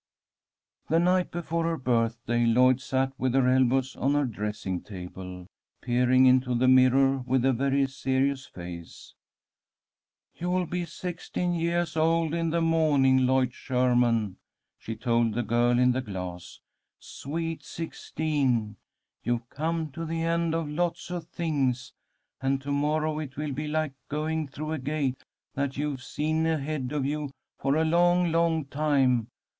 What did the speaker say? The night before her birthday, Lloyd sat with her elbows on her dressing table, peering into the mirror with a very serious face. "You'll be sixteen yeahs old in the mawning, Lloyd Sherman," she told the girl in the glass. "'Sweet sixteen!' You've come to the end of lots of things, and to morrow it will be like going through a gate that you've seen ahead of you for a long, long time.